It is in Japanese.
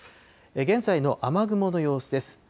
現在の雨雲の様子です。